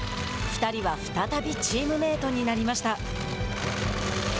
２人は再びチームメートになりました。